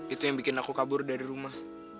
itu yang bikin aku kabur dari rumah